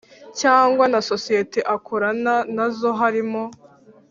cyangwa na sosiyete akorana na zo harimo